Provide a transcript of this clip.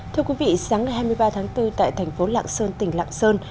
thưa quý vị sáng ngày hai mươi ba tháng bốn tại thành phố lạng sơn tỉnh lạng sơn